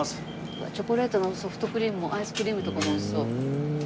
チョコレートのソフトクリームもアイスクリームとかもおいしそう。